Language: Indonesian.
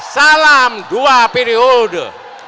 salam dua periode